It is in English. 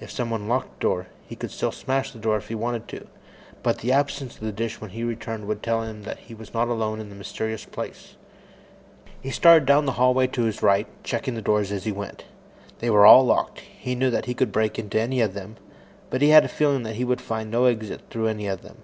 If someone locked the door, he could still smash in the glass if he wanted to, but the absence of the dish when he returned would tell him that he was not alone in this mysterious place. He started down the hallway to his right, checking the doors as he went. They were all locked. He knew that he could break into any of them, but he had a feeling that he would find no exit through any of them.